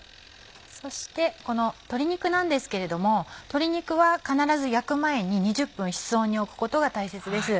そしてこの鶏肉なんですけれども鶏肉は必ず焼く前に２０分室温に置くことが大切です。